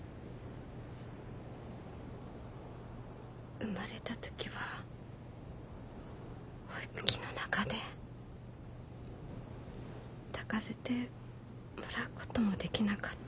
生まれたときは保育器の中で抱かせてもらうこともできなかった。